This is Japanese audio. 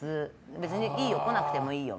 別にいいよ、来なくてもいいよ。